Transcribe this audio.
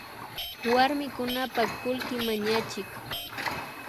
Warmikunapak kullki mañachik